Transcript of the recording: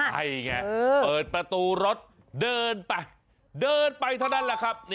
ใช่ไงเปิดประตูรถเดินไปเดินไปเท่านั้นแหละครับ